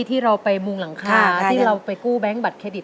ที่เราไปมุงหลังคาที่เราไปกู้แบงค์บัตรเครดิต